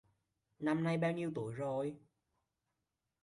Năm nay bao nhiêu tuổi rồi